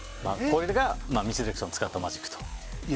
ミスディレクションを使ったマジックと。